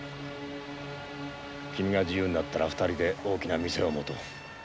君が自由になったら２人で大きな店を持とう。